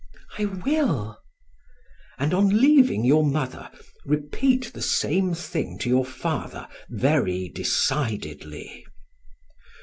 "I will." "And on leaving your mother, repeat the same thing to your father very decidedly."